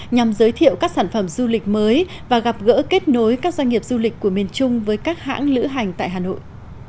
nhằm giới thiệu các sản phẩm du lịch mới và gặp gỡ kết nối các doanh nghiệp du lịch của miền trung với các hãng lữ hành tại hà nội